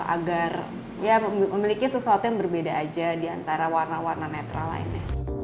agar memiliki sesuatu yang berbeda aja di antara warna warna netral lainnya